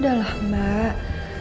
udah lah mbak